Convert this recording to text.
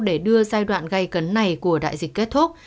để đưa giai đoạn gây cấn này của đại dịch kết thúc